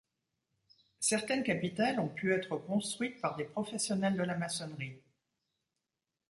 Certaines capitelles ont pu être construites par des professionnels de la maçonnerie.